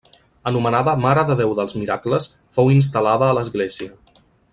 Anomenada Mare de Déu dels Miracles, fou instal·lada a l'església.